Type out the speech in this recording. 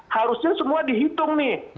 harusnya semua dihitung nih